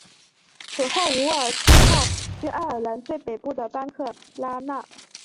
此后伍尔西号去爱尔兰最北部的班克拉纳。